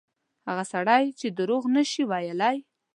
هغه سړی چې دروغ نه شي ویلای.